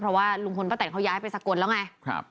เพราะว่าลุงพลป้าแต่นเขาย้ายไปสกลแล้วไง